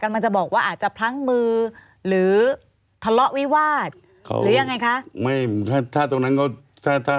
มันจะบอกว่าอาจจะพลั้งมือหรือทะเลาะวิวาดหรือยังไงคะ